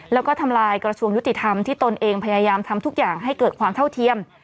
แล้วก็ทำลายกระทรวงยุติธรรมที่ตนเองพยายามทำทุกอย่างให้เกิดความเท่าเทียม